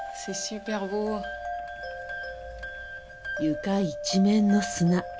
床一面の砂。